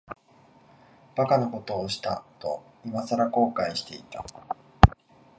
馬鹿なことをしたと、いまさら後悔していた。